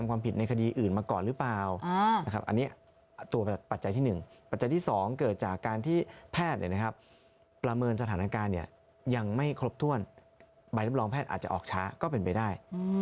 อันนี้ปัจจัยที่๑อันนี้ปัจจัยที่๒เกิดจากการที่แพทนี่นะครับประเมินสถานการณ์เนี่ยยังไม่ครบถ้วนใบรับลองแพทน์อาจจะออกช้าก็เป็นไปได้